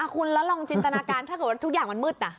คุณแล้วลองจินตนาการถ้าเกิดว่าทุกอย่างมันมืด